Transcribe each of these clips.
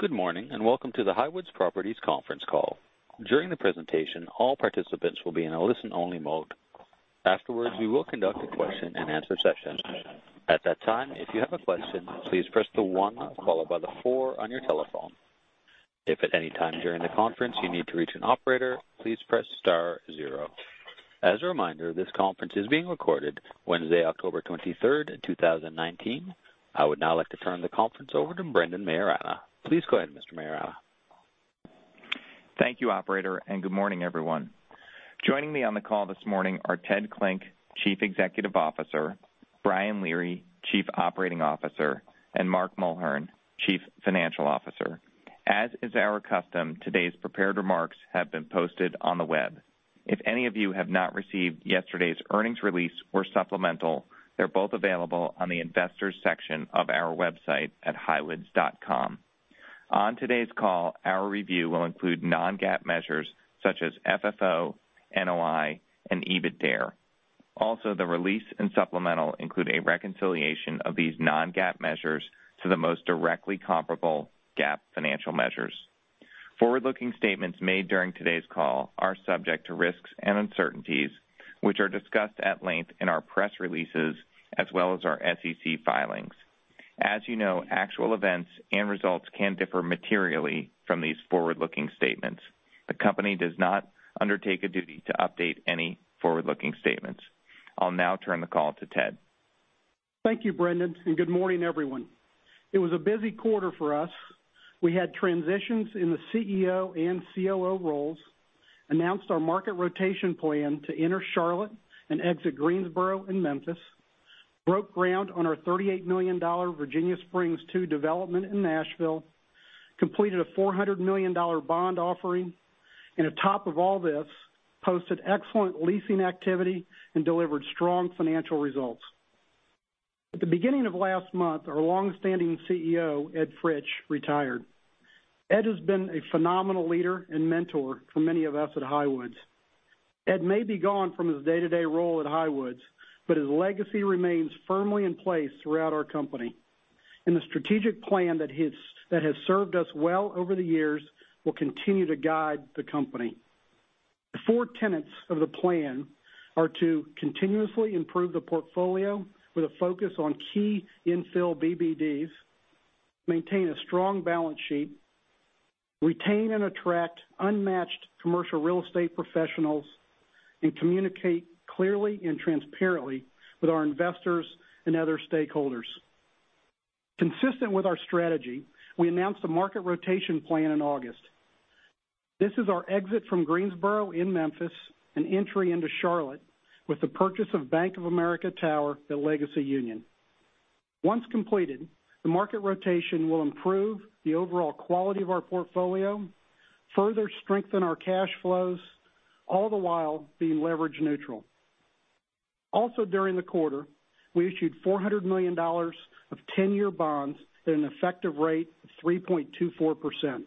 Good morning. Welcome to the Highwoods Properties conference call. During the presentation, all participants will be in a listen-only mode. Afterwards, we will conduct a question and answer session. At that time, if you have a question, please press the one followed by the four on your telephone. If at any time during the conference you need to reach an operator, please press star zero. As a reminder, this conference is being recorded Wednesday, October 23rd, 2019. I would now like to turn the conference over to Brendan Maiorana. Please go ahead, Mr. Maiorana. Thank you, operator, and good morning, everyone. Joining me on the call this morning are Ted Klinck, Chief Executive Officer, Brian Leary, Chief Operating Officer, and Mark Mulhern, Chief Financial Officer. As is our custom, today's prepared remarks have been posted on the web. If any of you have not received yesterday's earnings release or supplemental, they're both available on the investors section of our website at highwoods.com. On today's call, our review will include non-GAAP measures such as FFO, NOI, and EBITDARE. The release and supplemental include a reconciliation of these non-GAAP measures to the most directly comparable GAAP financial measures. Forward-looking statements made during today's call are subject to risks and uncertainties, which are discussed at length in our press releases, as well as our SEC filings. As you know, actual events and results can differ materially from these forward-looking statements. The company does not undertake a duty to update any forward-looking statements. I'll now turn the call to Ted. Thank you, Brendan, and good morning, everyone. It was a busy quarter for us. We had transitions in the CEO and COO roles, announced our market rotation plan to enter Charlotte and exit Greensboro and Memphis, broke ground on our $38 million Virginia Springs II development in Nashville, completed a $400 million bond offering, and on top of all this, posted excellent leasing activity and delivered strong financial results. At the beginning of last month, our longstanding CEO, Ed Fritsch, retired. Ed has been a phenomenal leader and mentor for many of us at Highwoods. Ed may be gone from his day-to-day role at Highwoods, but his legacy remains firmly in place throughout our company, and the strategic plan that has served us well over the years will continue to guide the company. The four tenets of the plan are to continuously improve the portfolio with a focus on key infill BBDs, maintain a strong balance sheet, retain and attract unmatched commercial real estate professionals, and communicate clearly and transparently with our investors and other stakeholders. Consistent with our strategy, we announced a market rotation plan in August. This is our exit from Greensboro and Memphis, and entry into Charlotte with the purchase of Bank of America Tower, the Legacy Union. Once completed, the market rotation will improve the overall quality of our portfolio, further strengthen our cash flows, all the while being leverage neutral. Also during the quarter, we issued $400 million of 10-year bonds at an effective rate of 3.24%.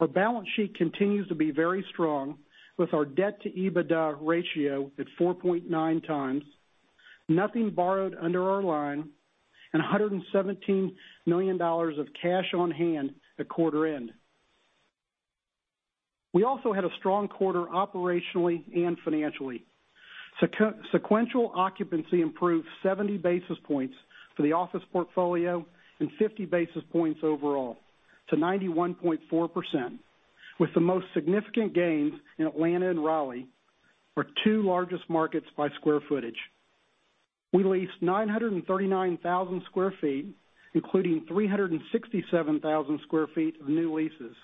Our balance sheet continues to be very strong with our Debt to EBITDA ratio at 4.9 times, nothing borrowed under our line, and $117 million of cash on hand at quarter end. We also had a strong quarter operationally and financially. Sequential occupancy improved 70 basis points for the office portfolio and 50 basis points overall to 91.4%, with the most significant gains in Atlanta and Raleigh, our two largest markets by square footage. We leased 939,000 square feet, including 367,000 square feet of new leases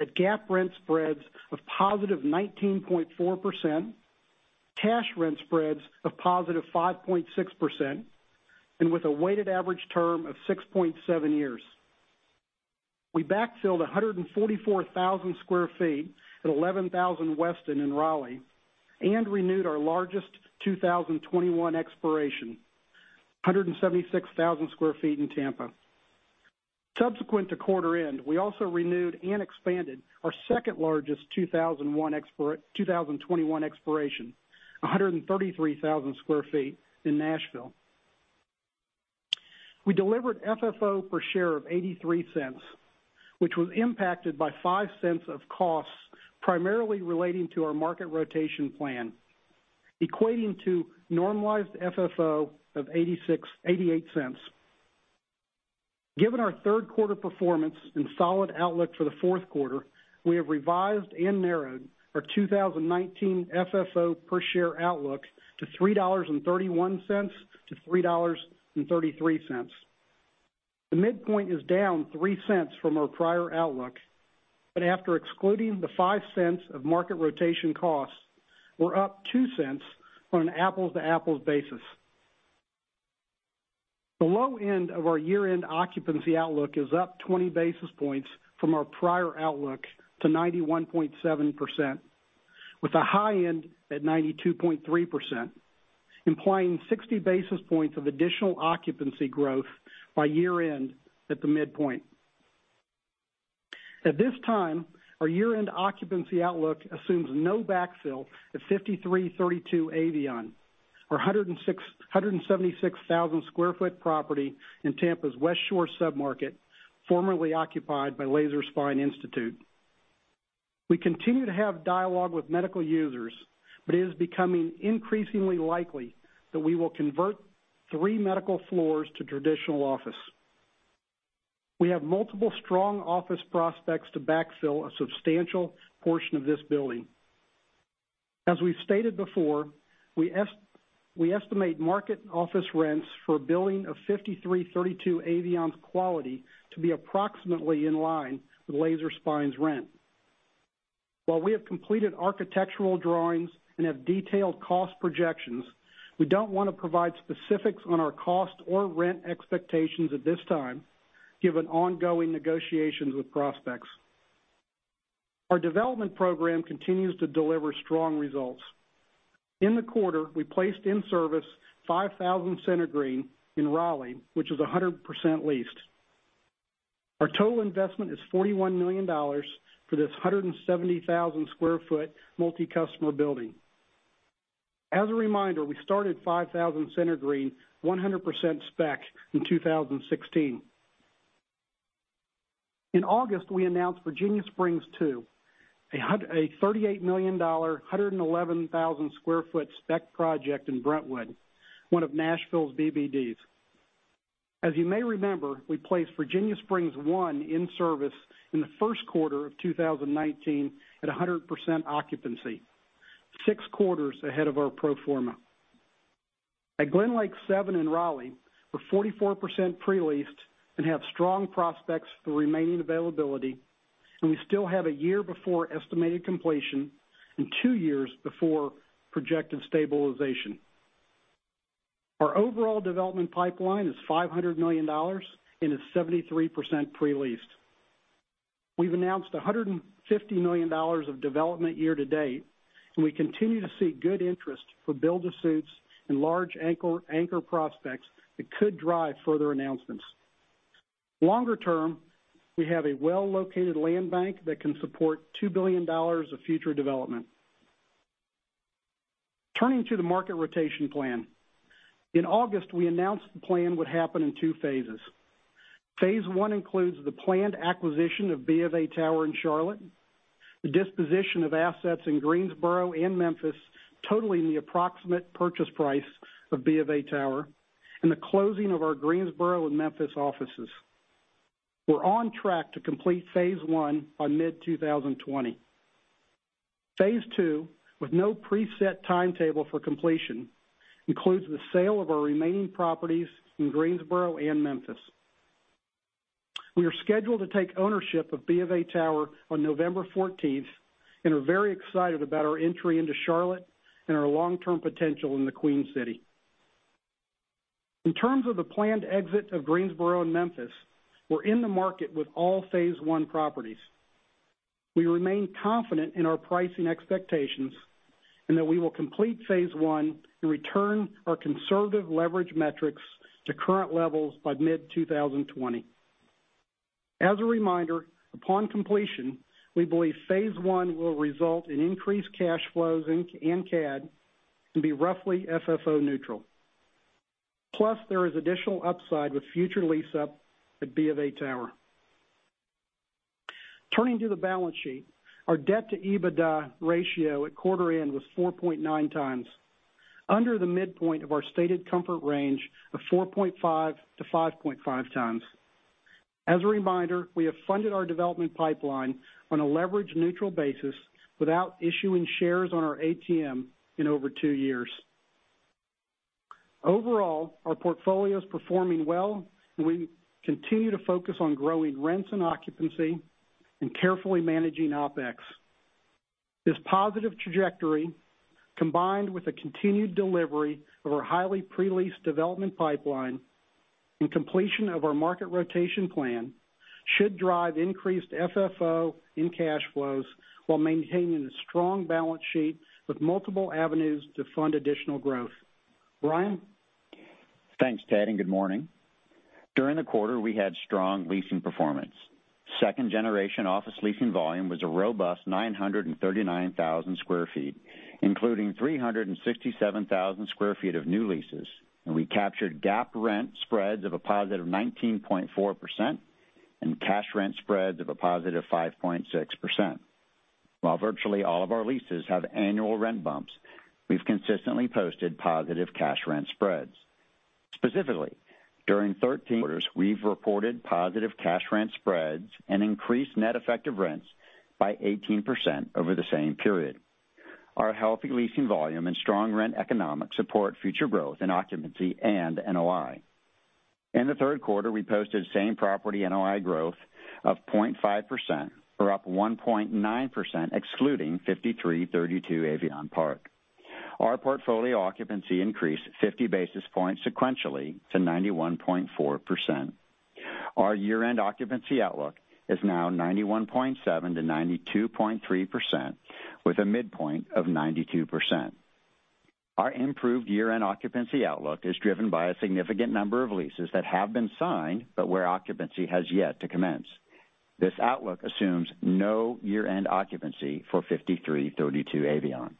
at GAAP rent spreads of positive 19.4%, cash rent spreads of positive 5.6%, and with a weighted average term of 6.7 years. We backfilled 144,000 square feet at 11000 Weston in Raleigh and renewed our largest 2021 expiration, 176,000 square feet in Tampa. Subsequent to quarter end, we also renewed and expanded our second largest 2021 expiration, 133,000 square feet in Nashville. We delivered FFO per share of $0.83, which was impacted by $0.05 of costs primarily relating to our market rotation plan, equating to normalized FFO of $0.88. Given our third quarter performance and solid outlook for the fourth quarter, we have revised and narrowed our 2019 FFO per share outlook to $3.31-$3.33. The midpoint is down $0.03 from our prior outlook, but after excluding the $0.05 of market rotation costs, we're up $0.02 on an apples-to-apples basis. The low end of our year-end occupancy outlook is up 20 basis points from our prior outlook to 91.7%, with a high end at 92.3%, implying 60 basis points of additional occupancy growth by year end at the midpoint. At this time, our year-end occupancy outlook assumes no backfill at 5332 Avion, our 176,000 sq ft property in Tampa's Westshore submarket, formerly occupied by Laser Spine Institute. We continue to have dialogue with medical users, it is becoming increasingly likely that we will convert 3 medical floors to traditional office. We have multiple strong office prospects to backfill a substantial portion of this building. As we've stated before, we estimate market office rents for a building of 5332 Avion's quality to be approximately in line with Laser Spine's rent. While we have completed architectural drawings and have detailed cost projections, we don't want to provide specifics on our cost or rent expectations at this time, given ongoing negotiations with prospects. Our development program continues to deliver strong results. In the quarter, we placed in service 5000 CentreGreen in Raleigh, which is 100% leased. Our total investment is $41 million for this 170,000 sq ft multi-customer building. As a reminder, we started 5000 CentreGreen 100% spec in 2016. In August, we announced Virginia Springs II, a $38 million 111,000 sq ft spec project in Brentwood, one of Nashville's BBDs. As you may remember, we placed Virginia Springs I in service in the first quarter of 2019 at 100% occupancy, six quarters ahead of our pro forma. At GlenLake Seven in Raleigh, we're 44% pre-leased and have strong prospects for remaining availability. We still have a year before estimated completion and two years before projected stabilization. Our overall development pipeline is $500 million and is 73% pre-leased. We've announced $150 million of development year to date. We continue to see good interest for build-to-suits and large anchor prospects that could drive further announcements. Longer term, we have a well-located land bank that can support $2 billion of future development. Turning to the market rotation plan. In August, we announced the plan would happen in two phases. Phase one includes the planned acquisition of B of A Tower in Charlotte, the disposition of assets in Greensboro and Memphis totaling the approximate purchase price of B of A Tower, and the closing of our Greensboro and Memphis offices. We're on track to complete phase one by mid-2020. Phase two, with no preset timetable for completion, includes the sale of our remaining properties in Greensboro and Memphis. We are scheduled to take ownership of B of A Tower on November 14th and are very excited about our entry into Charlotte and our long-term potential in the Queen City. In terms of the planned exit of Greensboro and Memphis, we are in the market with all phase one properties. We remain confident in our pricing expectations and that we will complete phase one and return our conservative leverage metrics to current levels by mid-2020. As a reminder, upon completion, we believe phase one will result in increased cash flows and CAD and be roughly FFO neutral. Plus, there is additional upside with future lease up at B of A Tower. Turning to the balance sheet. Our Debt to EBITDA ratio at quarter end was 4.9 times, under the midpoint of our stated comfort range of 4.5-5.5 times. As a reminder, we have funded our development pipeline on a leverage-neutral basis without issuing shares on our ATM in over two years. Overall, our portfolio is performing well, and we continue to focus on growing rents and occupancy and carefully managing OPEX. This positive trajectory, combined with the continued delivery of our highly pre-leased development pipeline and completion of our market rotation plan, should drive increased FFO in cash flows while maintaining a strong balance sheet with multiple avenues to fund additional growth. Brian? Thanks, Ted, and good morning. During the quarter, we had strong leasing performance. Second generation office leasing volume was a robust 939,000 square feet, including 367,000 square feet of new leases, and we captured GAAP rent spreads of a positive 19.4% and cash rent spreads of a positive 5.6%. While virtually all of our leases have annual rent bumps, we've consistently posted positive cash rent spreads. Specifically, during 13 quarters, we've reported positive cash rent spreads and increased net effective rents by 18% over the same period. Our healthy leasing volume and strong rent economics support future growth in occupancy and NOI. In the third quarter, we posted same-property NOI growth of 0.5%, or up 1.9% excluding 5332 Avion. Our portfolio occupancy increased 50 basis points sequentially to 91.4%. Our year-end occupancy outlook is now 91.7%-92.3%, with a midpoint of 92%. Our improved year-end occupancy outlook is driven by a significant number of leases that have been signed, but where occupancy has yet to commence. This outlook assumes no year-end occupancy for 5332 Avion.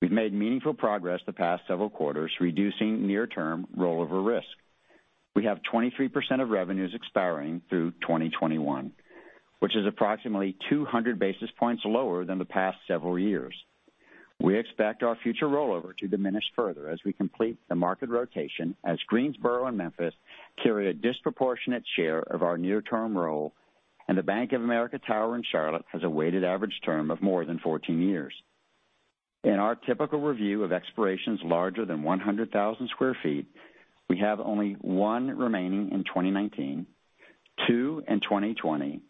We've made meaningful progress the past several quarters, reducing near-term rollover risk. We have 23% of revenues expiring through 2021, which is approximately 200 basis points lower than the past several years. We expect our future rollover to diminish further as we complete the market rotation, as Greensboro and Memphis carry a disproportionate share of our near-term roll, and the Bank of America Tower in Charlotte has a weighted average term of more than 14 years. In our typical review of expirations larger than 100,000 square feet, we have only one remaining in 2019, two in 2020,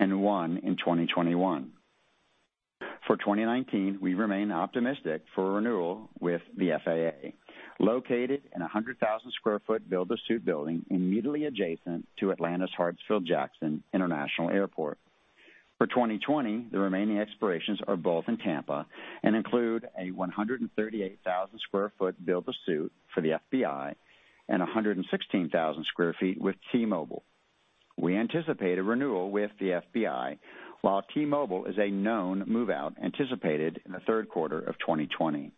and one in 2021. For 2019, we remain optimistic for a renewal with the FAA, located in 100,000 sq ft build-to-suit building immediately adjacent to Atlanta's Hartsfield Jackson International Airport. For 2020, the remaining expirations are both in Tampa and include a 138,000 sq ft build-to-suit for the FBI and 116,000 sq ft with T-Mobile. We anticipate a renewal with the FBI, while T-Mobile is a known move-out anticipated in the third quarter of 2020.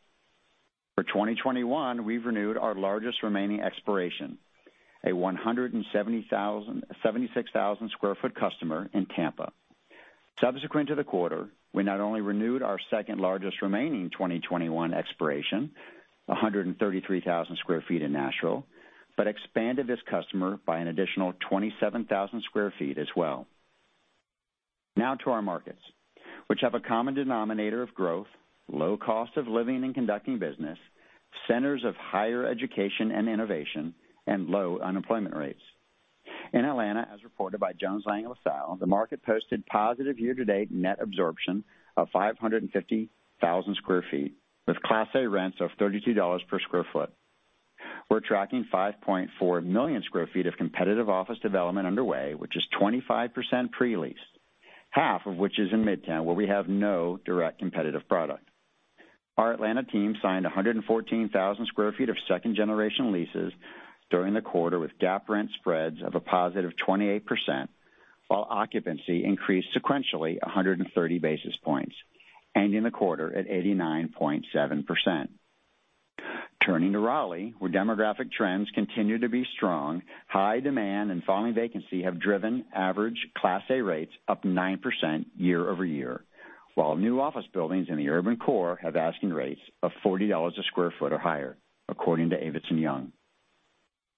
For 2021, we've renewed our largest remaining expiration, a 176,000 sq ft customer in Tampa. Subsequent to the quarter, we not only renewed our second largest remaining 2021 expiration, 133,000 sq ft in Nashville, but expanded this customer by an additional 27,000 sq ft as well. Now to our markets, which have a common denominator of growth, low cost of living and conducting business, centers of higher education and innovation, and low unemployment rates. In Atlanta, as reported by Jones Lang LaSalle, the market posted positive year-to-date net absorption of 550,000 square feet with Class A rents of $32 per square foot. We're tracking 5.4 million square feet of competitive office development underway, which is 25% pre-leased, half of which is in Midtown, where we have no direct competitive product. Our Atlanta team signed 114,000 square feet of second-generation leases during the quarter with GAAP rent spreads of a positive 28%, while occupancy increased sequentially 130 basis points, ending the quarter at 89.7%. Turning to Raleigh, where demographic trends continue to be strong, high demand and falling vacancy have driven average Class A rates up 9% year-over-year, while new office buildings in the urban core have asking rates of $40 a square foot or higher, according to Avison Young.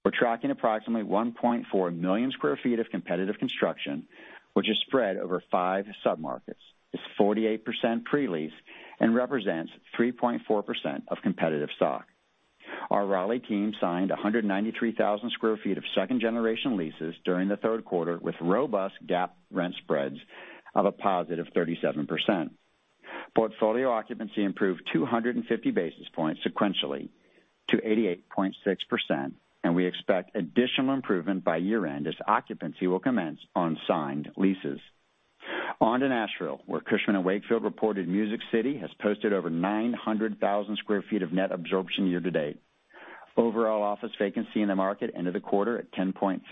We're tracking approximately 1.4 million square feet of competitive construction, which is spread over 5 submarkets, is 48% pre-leased, and represents 3.4% of competitive stock. Our Raleigh team signed 193,000 square feet of second-generation leases during the third quarter with robust GAAP rent spreads of a positive 37%. Portfolio occupancy improved 250 basis points sequentially to 88.6%, and we expect additional improvement by year-end as occupancy will commence on signed leases. On to Nashville, where Cushman & Wakefield reported Music City has posted over 900,000 square feet of net absorption year to date. Overall office vacancy in the market ended the quarter at 10.6%.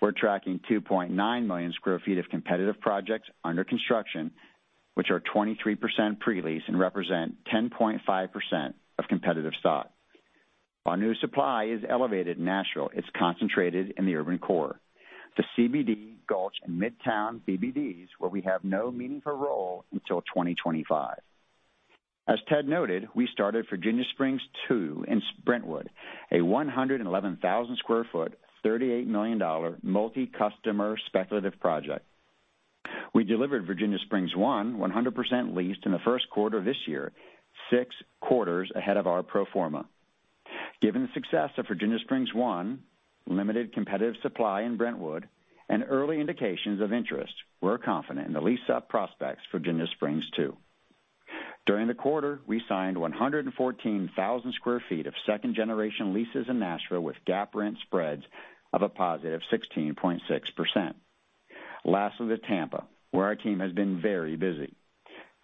We're tracking 2.9 million square feet of competitive projects under construction, which are 23% pre-leased and represent 10.5% of competitive stock. While new supply is elevated in Nashville, it's concentrated in the urban core. The CBD, Gulch, and Midtown BBDs, where we have no meaningful role until 2025. As Ted noted, we started Virginia Springs 2 in Brentwood, a 111,000 square foot, $38 million multi-customer speculative project. We delivered Virginia Springs 1, 100% leased in the first quarter of this year, six quarters ahead of our pro forma. Given the success of Virginia Springs 1, limited competitive supply in Brentwood, and early indications of interest, we're confident in the lease-up prospects Virginia Springs 2. During the quarter, we signed 114,000 square feet of second-generation leases in Nashville with GAAP rent spreads of a positive 16.6%. Lastly to Tampa, where our team has been very busy.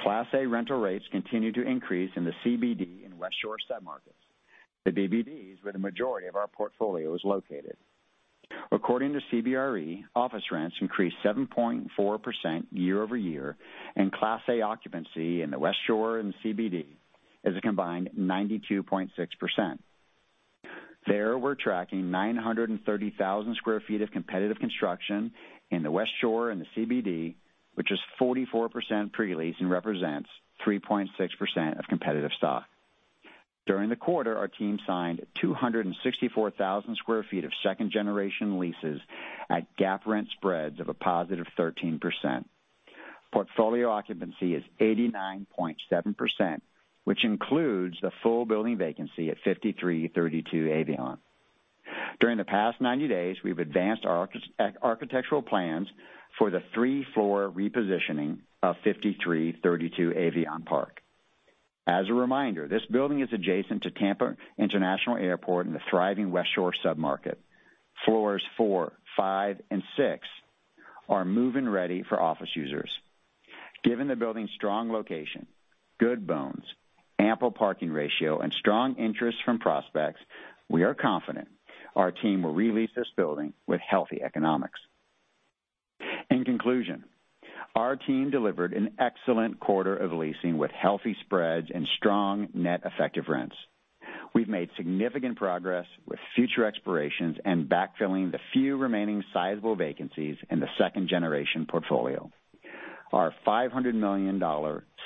Class A rental rates continue to increase in the CBD and West Shore submarkets, the BBDs, where the majority of our portfolio is located. According to CBRE, office rents increased 7.4% year-over-year, and Class A occupancy in the Westshore and CBD is a combined 92.6%. There, we're tracking 930,000 sq ft of competitive construction in the Westshore and the CBD, which is 44% pre-leased and represents 3.6% of competitive stock. During the quarter, our team signed 264,000 sq ft of second-generation leases at GAAP rent spreads of a positive 13%. Portfolio occupancy is 89.7%, which includes the full building vacancy at 5332 Avion. During the past 90 days, we've advanced our architectural plans for the three-floor repositioning of 5332 Avion. As a reminder, this building is adjacent to Tampa International Airport in the thriving Westshore submarket. Floors 4, 5, and 6 are move-in ready for office users. Given the building's strong location, good bones, ample parking ratio, and strong interest from prospects, we are confident our team will re-lease this building with healthy economics. In conclusion, our team delivered an excellent quarter of leasing with healthy spreads and strong net effective rents. We've made significant progress with future expirations and backfilling the few remaining sizable vacancies in the second-generation portfolio. Our $500 million,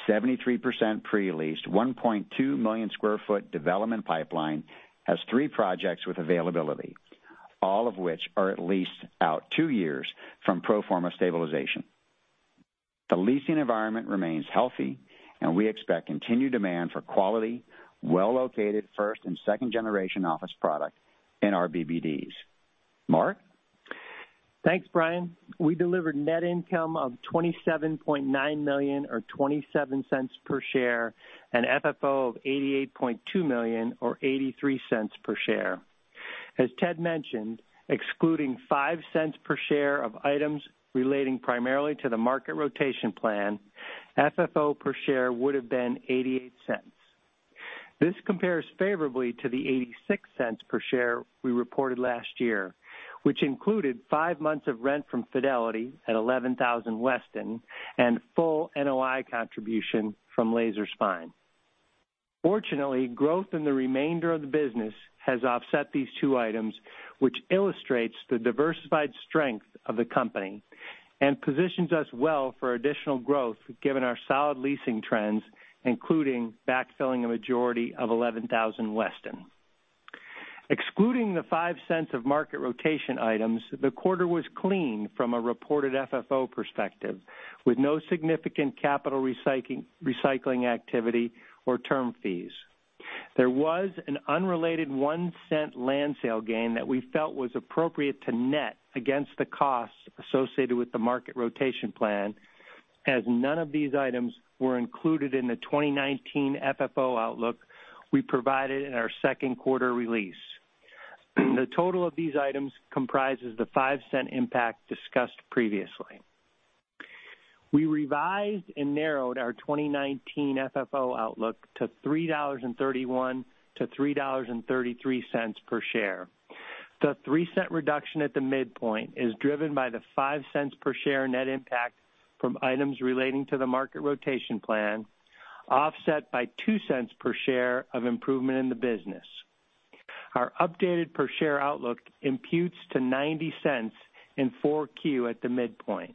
73% pre-leased, 1.2 million sq ft development pipeline has three projects with availability, all of which are at least out two years from pro forma stabilization. The leasing environment remains healthy, and we expect continued demand for quality, well-located first and second-generation office product in our BBDs. Mark? Thanks, Brian. We delivered net income of $27.9 million or $0.27 per share, an FFO of $88.2 million or $0.83 per share. As Ted mentioned, excluding $0.05 per share of items relating primarily to the market rotation plan, FFO per share would've been $0.88. This compares favorably to the $0.86 per share we reported last year, which included five months of rent from Fidelity at 11000 Weston and full NOI contribution from Laser Spine. Fortunately, growth in the remainder of the business has offset these two items, which illustrates the diversified strength of the company and positions us well for additional growth given our solid leasing trends, including backfilling a majority of 11000 Weston. Excluding the $0.05 of market rotation items, the quarter was clean from a reported FFO perspective, with no significant capital recycling activity or term fees. There was an unrelated $0.01 land sale gain that we felt was appropriate to net against the costs associated with the market rotation plan, as none of these items were included in the 2019 FFO outlook we provided in our second quarter release. The total of these items comprises the $0.05 impact discussed previously. We revised and narrowed our 2019 FFO outlook to $3.31-$3.33 per share. The $0.03 reduction at the midpoint is driven by the $0.05 per share net impact from items relating to the market rotation plan, offset by $0.02 per share of improvement in the business. Our updated per share outlook imputes to $0.90 in 4Q at the midpoint.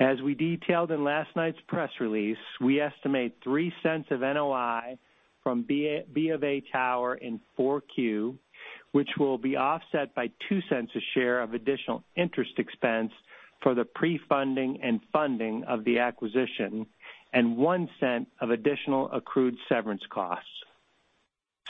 As we detailed in last night's press release, we estimate $0.03 of NOI from BofA Tower in 4Q, which will be offset by $0.02 a share of additional interest expense for the pre-funding and funding of the acquisition and $0.01 of additional accrued severance costs.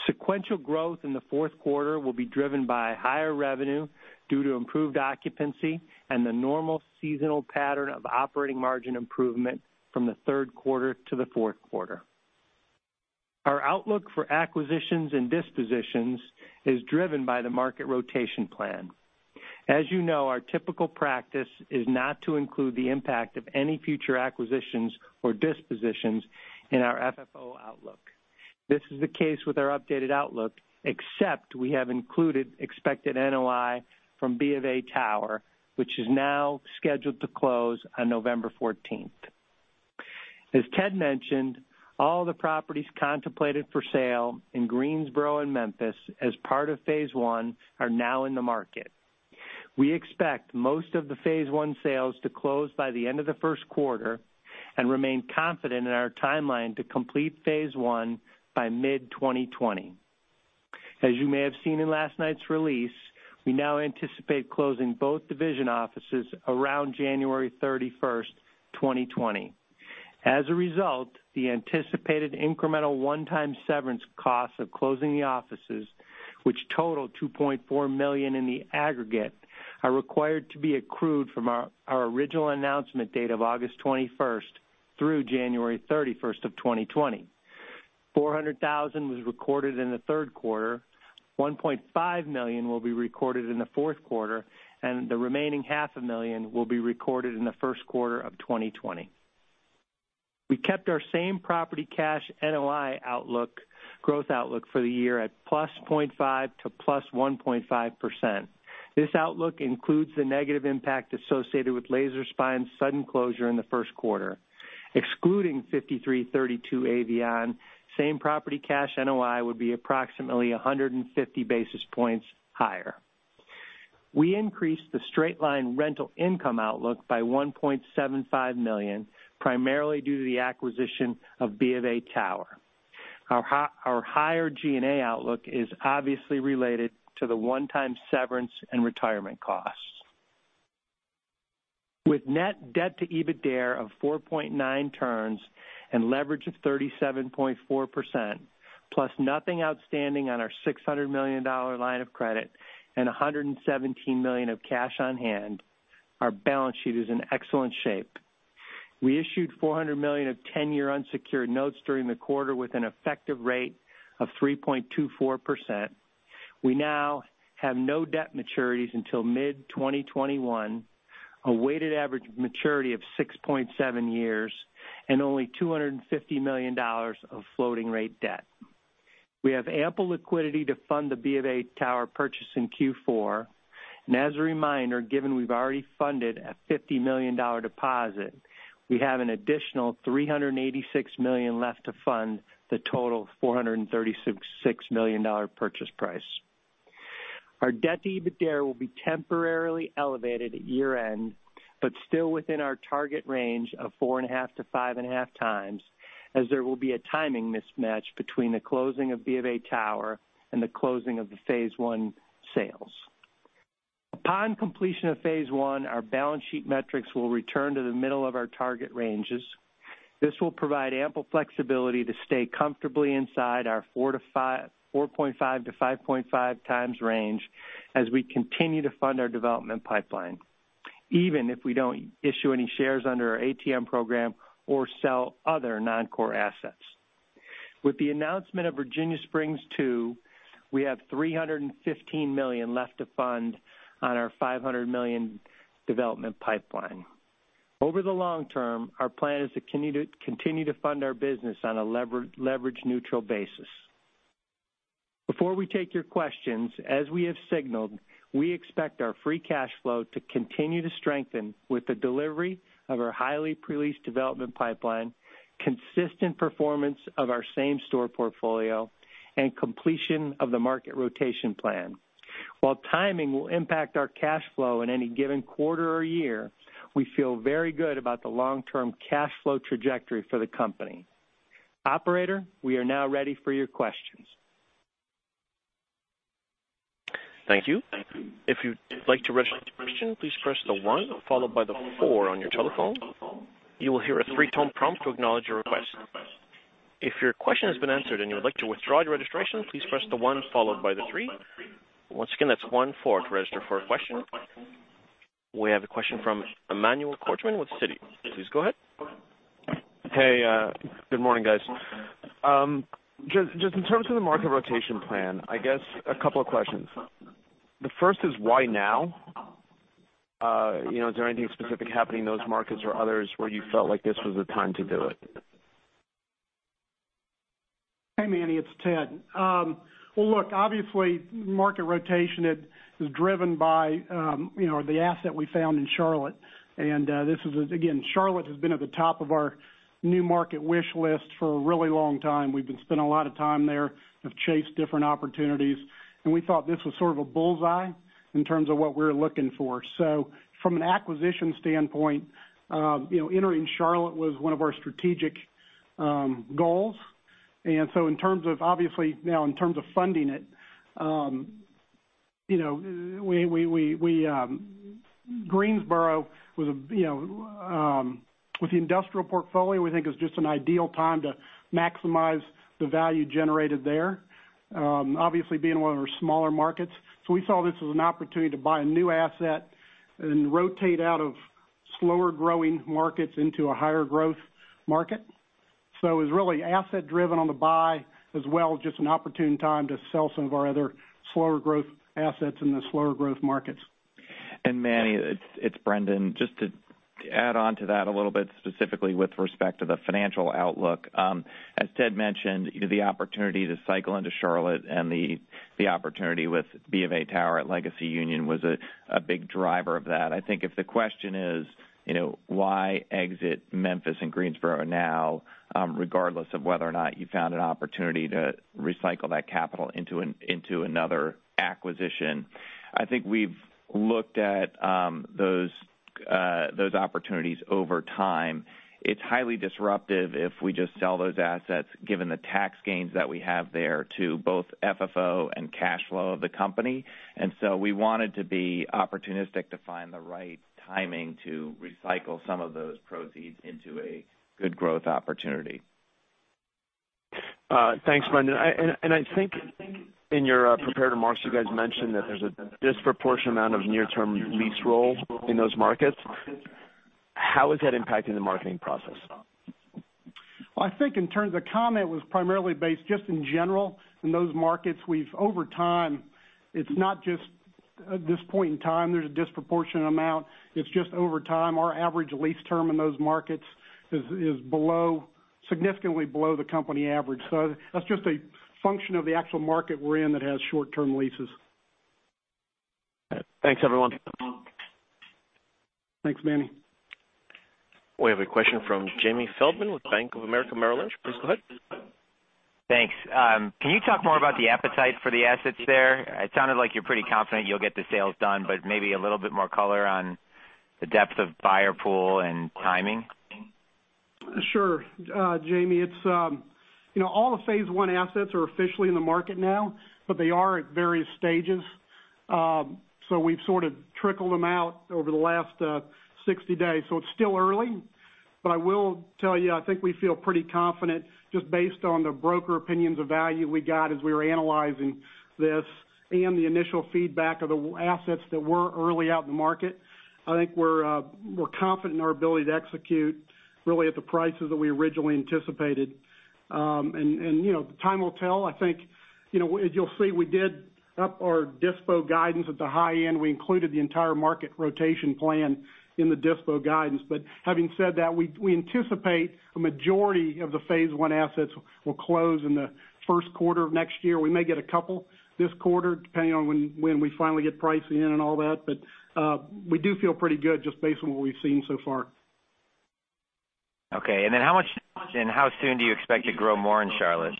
Sequential growth in the fourth quarter will be driven by higher revenue due to improved occupancy and the normal seasonal pattern of operating margin improvement from the third quarter to the fourth quarter. Our outlook for acquisitions and dispositions is driven by the market rotation plan. As you know, our typical practice is not to include the impact of any future acquisitions or dispositions in our FFO outlook. This is the case with our updated outlook, except we have included expected NOI from BofA Tower, which is now scheduled to close on November 14th. As Ted mentioned, all the properties contemplated for sale in Greensboro and Memphis as part of phase one are now in the market. We expect most of the phase one sales to close by the end of the first quarter and remain confident in our timeline to complete phase one by mid-2020. As you may have seen in last night's release, we now anticipate closing both division offices around January 31st, 2020. As a result, the anticipated incremental one-time severance cost of closing the offices, which total $2.4 million in the aggregate, are required to be accrued from our original announcement date of August 21st through January 31st of 2020. $400,000 was recorded in the third quarter, $1.5 million will be recorded in the fourth quarter, and the remaining half a million will be recorded in the first quarter of 2020. We kept our same property cash NOI growth outlook for the year at +0.5% to +1.5%. This outlook includes the negative impact associated with Laser Spine's sudden closure in the first quarter. Excluding 5332 Avion, same property cash NOI would be approximately 150 basis points higher. We increased the straight-line rental income outlook by $1.75 million, primarily due to the acquisition of BofA Tower. Our higher G&A outlook is obviously related to the one-time severance and retirement costs. With net debt to EBITDA of 4.9 turns and leverage of 37.4%, plus nothing outstanding on our $600 million line of credit and $117 million of cash on hand, our balance sheet is in excellent shape. We issued $400 million of 10-year unsecured notes during the quarter with an effective rate of 3.24%. We now have no debt maturities until mid-2021, a weighted average maturity of 6.7 years, and only $250 million of floating rate debt. We have ample liquidity to fund the BofA Tower purchase in Q4. As a reminder, given we've already funded a $50 million deposit, we have an additional $386 million left to fund the total $436 million purchase price. Our Debt to EBITDA will be temporarily elevated at year-end, but still within our target range of 4.5x-5.5x, as there will be a timing mismatch between the closing of BofA Tower and the closing of the phase one sales. Upon completion of phase one, our balance sheet metrics will return to the middle of our target ranges. This will provide ample flexibility to stay comfortably inside our 4.5 to 5.5 times range as we continue to fund our development pipeline, even if we don't issue any shares under our ATM program or sell other non-core assets. With the announcement of Virginia Springs II, we have $315 million left to fund on our $500 million development pipeline. Over the long term, our plan is to continue to fund our business on a leverage-neutral basis. Before we take your questions, as we have signaled, we expect our free cash flow to continue to strengthen with the delivery of our highly pre-leased development pipeline, consistent performance of our same-store portfolio, and completion of the market rotation plan. While timing will impact our cash flow in any given quarter or year, we feel very good about the long-term cash flow trajectory for the company. Operator, we are now ready for your questions. Thank you. If you'd like to register for a question, please press the one followed by the four on your telephone. You will hear a three-tone prompt to acknowledge your request. If your question has been answered and you would like to withdraw your registration, please press the one followed by the three. Once again, that's one-four to register for a question. We have a question from Emmanuel Korchman with Citi. Please go ahead. Hey, good morning, guys. Just in terms of the market rotation plan, I guess a couple of questions. The first is, why now? Is there anything specific happening in those markets or others where you felt like this was the time to do it? Hey, Manny. It's Ted. Look, obviously market rotation is driven by the asset we found in Charlotte. Again, Charlotte has been at the top of our new market wish list for a really long time. We've been spending a lot of time there. We've chased different opportunities, and we thought this was sort of a bullseye in terms of what we're looking for. From an acquisition standpoint, entering Charlotte was one of our strategic goals. Obviously, now in terms of funding it, Greensboro with the industrial portfolio, we think is just an ideal time to maximize the value generated there. Obviously, being one of our smaller markets. We saw this as an opportunity to buy a new asset and rotate out of slower-growing markets into a higher-growth market. It was really asset-driven on the buy, as well as just an opportune time to sell some of our other slower-growth assets in the slower-growth markets. Manny, it's Brendan. Just to add on to that a little bit, specifically with respect to the financial outlook. As Ted mentioned, the opportunity to cycle into Charlotte and the opportunity with Bank of America Tower at Legacy Union was a big driver of that. I think if the question is why exit Memphis and Greensboro now, regardless of whether or not you found an opportunity to recycle that capital into another acquisition. I think we've looked at those opportunities over time. It's highly disruptive if we just sell those assets, given the tax gains that we have there to both FFO and cash flow of the company. We wanted to be opportunistic to find the right timing to recycle some of those proceeds into a good growth opportunity. Thanks, Brendan. I think in your prepared remarks, you guys mentioned that there's a disproportionate amount of near-term lease rolls in those markets. How is that impacting the marketing process? Well, I think the comment was primarily based just in general in those markets. Over time, it's not just at this point in time, there's a disproportionate amount. It's just over time, our average lease term in those markets is significantly below the company average. That's just a function of the actual market we're in that has short-term leases. Thanks, everyone. Thanks, Manny. We have a question from Jamie Feldman with Bank of America Merrill Lynch. Please go ahead. Thanks. Can you talk more about the appetite for the assets there? It sounded like you're pretty confident you'll get the sales done, but maybe a little bit more color on the depth of buyer pool and timing. Sure, Jamie. All the phase 1 assets are officially in the market now, but they are at various stages. We've sort of trickled them out over the last 60 days. It's still early, but I will I'll tell you, I think we feel pretty confident just based on the broker opinions of value we got as we were analyzing this, and the initial feedback of the assets that were early out in the market. I think we're confident in our ability to execute really at the prices that we originally anticipated. Time will tell, I think. As you'll see, we did up our dispo guidance at the high end. We included the entire market rotation plan in the dispo guidance. Having said that, we anticipate a majority of the phase one assets will close in the first quarter of next year. We may get a couple this quarter, depending on when we finally get pricing in and all that. We do feel pretty good just based on what we've seen so far. Okay. How much, and how soon do you expect to grow more in Charlotte?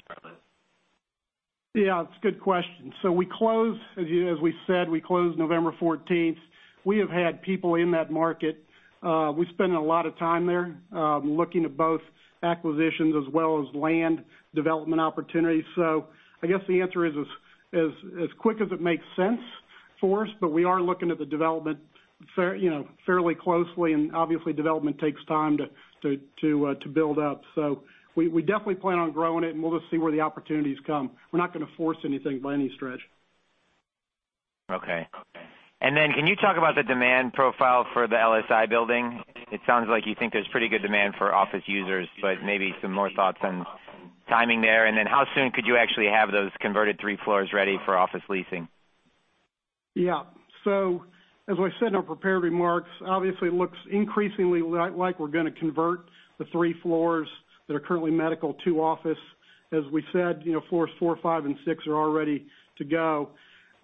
Yeah, it's a good question. We close, as we said, we closed November 14th. We have had people in that market. We've spent a lot of time there, looking at both acquisitions as well as land development opportunities. I guess the answer is, as quick as it makes sense for us, but we are looking at the development fairly closely, and obviously development takes time to build up. We definitely plan on growing it, and we'll just see where the opportunities come. We're not going to force anything by any stretch. Okay. Can you talk about the demand profile for the LSI building? It sounds like you think there's pretty good demand for office users. Maybe some more thoughts on timing there. How soon could you actually have those converted three floors ready for office leasing? Yeah. As I said in our prepared remarks, obviously it looks increasingly like we're going to convert the 3 floors that are currently medical to office. As we said, floors 4, 5, and 6 are all ready to go.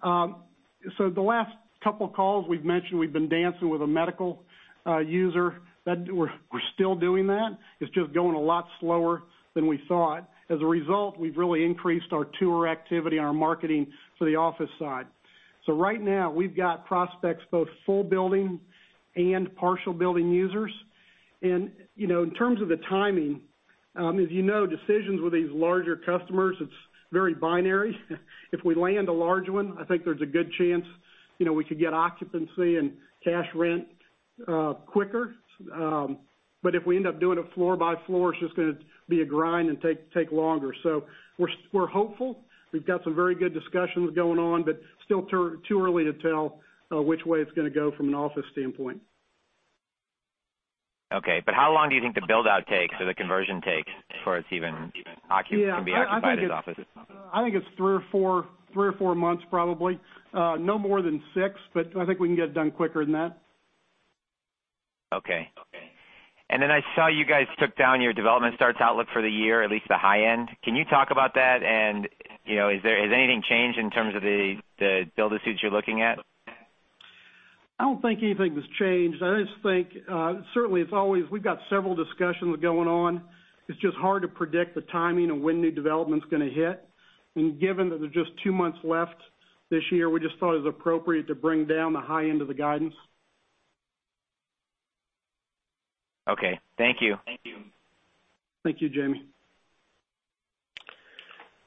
The last couple of calls we've mentioned we've been dancing with a medical user. We're still doing that. It's just going a lot slower than we thought. As a result, we've really increased our tour activity and our marketing for the office side. Right now, we've got prospects, both full building and partial building users. And in terms of the timing, as you know, decisions with these larger customers, it's very binary. If we land a large one, I think there's a good chance we could get occupancy and cash rent quicker. If we end up doing it floor by floor, it's just going to be a grind and take longer. We're hopeful. We've got some very good discussions going on, but still too early to tell which way it's going to go from an office standpoint. Okay. How long do you think the build-out takes or the conversion takes before it's even. Yeah. -occupied as office? I think it's three or four months probably. No more than six, but I think we can get it done quicker than that. Okay. I saw you guys took down your development starts outlook for the year, at least the high end. Can you talk about that? Has anything changed in terms of the build-to-suits you're looking at? I don't think anything has changed. I just think, certainly, it's always we've got several discussions going on. It's just hard to predict the timing of when new development's going to hit. Given that there's just two months left this year, we just thought it was appropriate to bring down the high end of the guidance. Okay. Thank you. Thank you, Jamie.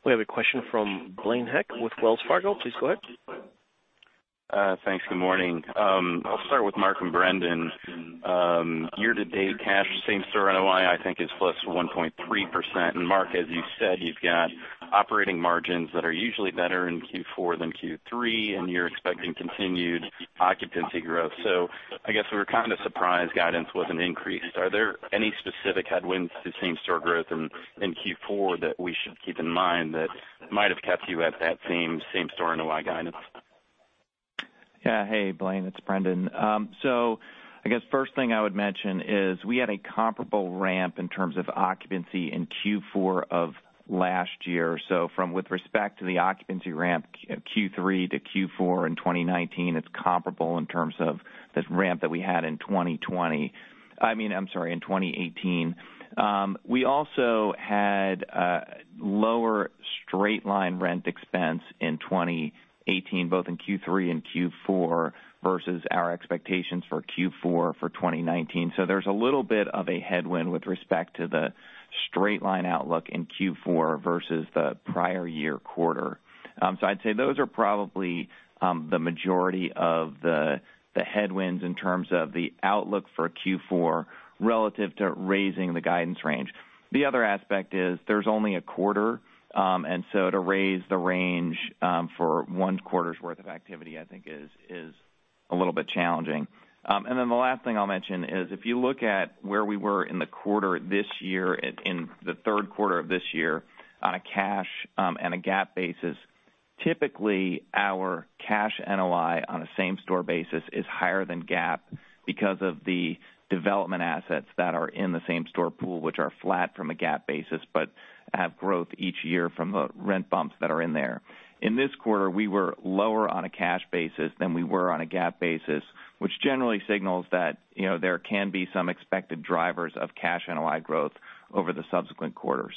We have a question from Blaine Heck with Wells Fargo. Please go ahead. Thanks. Good morning. I'll start with Mark and Brendan. Year to date cash, same store NOI, I think, is plus 1.3%. Mark, as you've said, you've got operating margins that are usually better in Q4 than Q3, and you're expecting continued occupancy growth. I guess we were kind of surprised guidance wasn't increased. Are there any specific headwinds to same-store growth in Q4 that we should keep in mind that might have kept you at that same same-store NOI guidance? Hey, Blaine, it's Brendan. I guess first thing I would mention is we had a comparable ramp in terms of occupancy in Q4 of last year. With respect to the occupancy ramp, Q3 to Q4 in 2019, it's comparable in terms of this ramp that we had in 2020. I mean, I'm sorry, in 2018. We also had lower straight-line rent expense in 2018, both in Q3 and Q4, versus our expectations for Q4 for 2019. There's a little bit of a headwind with respect to the straight-line outlook in Q4 versus the prior year quarter. I'd say those are probably the majority of the headwinds in terms of the outlook for Q4 relative to raising the guidance range. The other aspect is there's only a quarter, to raise the range for one quarter's worth of activity, I think is a little bit challenging. The last thing I'll mention is if you look at where we were in the quarter this year, in the third quarter of this year, on a cash and a GAAP basis, typically our cash NOI on a same-store basis is higher than GAAP because of the development assets that are in the same-store pool, which are flat from a GAAP basis, but have growth each year from the rent bumps that are in there. In this quarter, we were lower on a cash basis than we were on a GAAP basis, which generally signals that there can be some expected drivers of cash NOI growth over the subsequent quarters.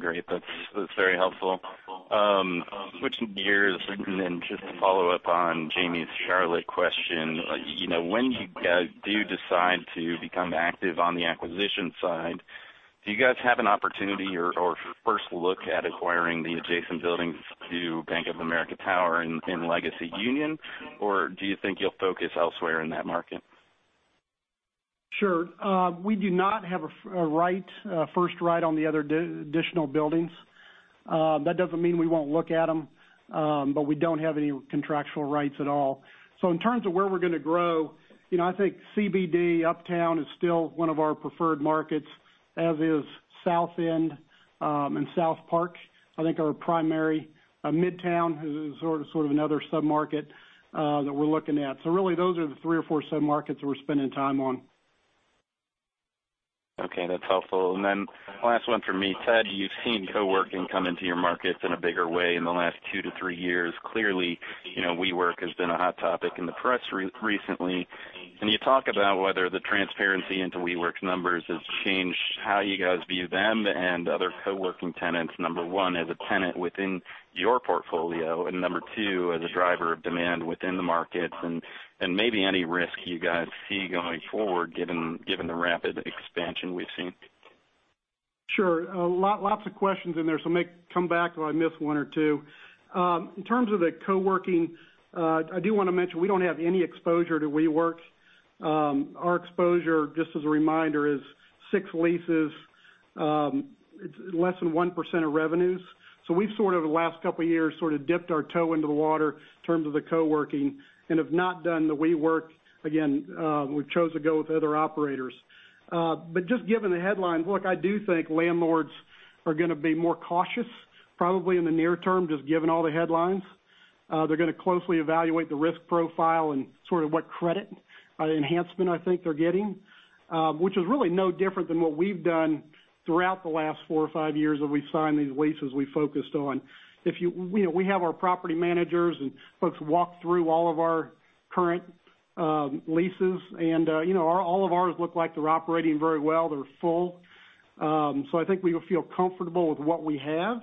Great. That's very helpful. Switching gears, just to follow up on Jamie's Charlotte question. When you guys do decide to become active on the acquisition side, do you guys have an opportunity or first look at acquiring the adjacent buildings to Bank of America Tower in Legacy Union, or do you think you'll focus elsewhere in that market? Sure. We do not have a first right on the other additional buildings. That doesn't mean we won't look at them, but we don't have any contractual rights at all. In terms of where we're going to grow, I think CBD Uptown is still one of our preferred markets, as is South End and South Park. I think our Midtown is sort of another sub-market that we're looking at. Really those are the three or four sub-markets that we're spending time on. That's helpful. Last one from me. Ted, you've seen co-working come into your markets in a bigger way in the last two to three years. Clearly, WeWork has been a hot topic in the press recently. Can you talk about whether the transparency into WeWork's numbers has changed how you guys view them and other co-working tenants, number one, as a tenant within your portfolio, and number two, as a driver of demand within the markets, and maybe any risk you guys see going forward, given the rapid expansion we've seen? Sure. Lots of questions in there, so maybe come back if I miss one or two. In terms of the co-working, I do want to mention we don't have any exposure to WeWork. Our exposure, just as a reminder, is six leases. It's less than 1% of revenues. We've sort of, the last couple of years, sort of dipped our toe into the water in terms of the co-working, and have not done the WeWork. Again, we've chose to go with other operators. Just given the headlines, look, I do think landlords are going to be more cautious, probably in the near term, just given all the headlines. They're going to closely evaluate the risk profile and sort of what credit enhancement I think they're getting. Which is really no different than what we've done throughout the last four or five years that we've signed these leases we focused on. We have our property managers and folks walk through all of our current leases, all of ours look like they're operating very well. They're full. I think we feel comfortable with what we have.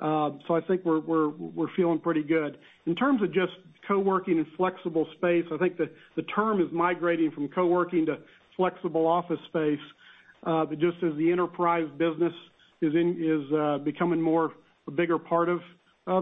I think we're feeling pretty good. In terms of just co-working and flexible space, I think the term is migrating from co-working to flexible office space, but just as the enterprise business is becoming more, a bigger part of